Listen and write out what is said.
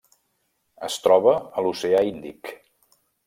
Es troba a l'Oceà Índic: